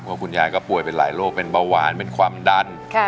เพราะคุณยายก็ป่วยเป็นหลายโรคเป็นเบาหวานเป็นความดัน